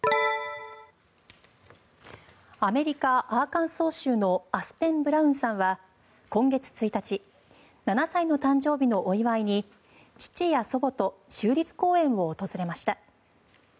アメリカ・アーカンソー州のアスペン・ブラウンさんは今月１日７歳の誕生日のお祝いに父や祖母と州立公園を訪れました。